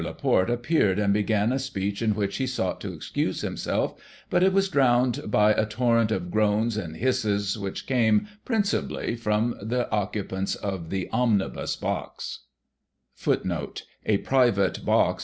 Laporte appeared and began a speech in which he sought to excuse himself, but it was drowned by a torrent of groans and hisses, which came, principally, from the occupants of the " omnibus " box.